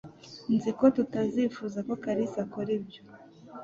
Nzi ko tutazifuza ko Kalisa akora ibyo.